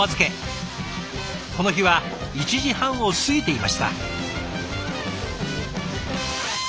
この日は１時半を過ぎていました。